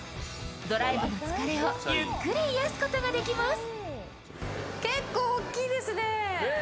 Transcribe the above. ドライブの疲れをゆっくり癒やすことができます。